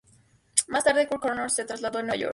Más tarde, Curt Connors se trasladó a Nueva York.